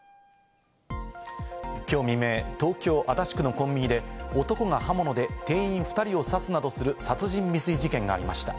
きょう未明、東京・足立区のコンビニで男が刃物で店員２人を刺すなどする殺人未遂事件がありました。